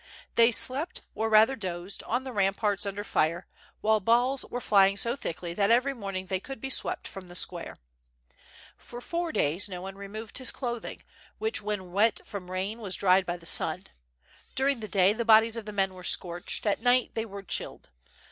They slept, or rather dozed, on the ramparts under fire, while balls were flying so thickly that every morning they could be swept from the square. For four days no one removed his clothing, which when wet from rain was dried by the sun; during the day the bodies of the men were scorched, at night they were chilled.